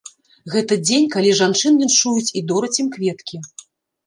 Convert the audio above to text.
Гэта дзень, калі жанчын віншуюць і дораць ім кветкі.